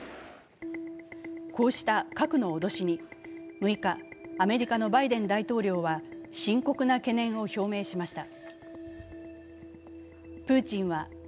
こうした核の脅しに６日、アメリカのバイデン大統領は深刻な懸念を表明しました。